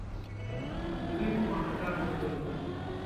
د دوی په خوښه کار نه کوي.